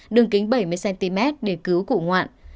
đường kính bảy mươi cm để cứu cụ ngoạn